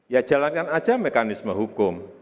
ya jalankan aja mekanisme hukum